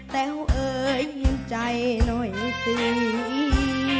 แต่วเอ่ยยินใจหน่อยหนึ่งคืนนี้